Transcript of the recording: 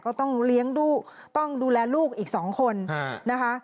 ก็ต้องเลี้ยงดูต้องดูแลลูกอีก๒คนนะคะ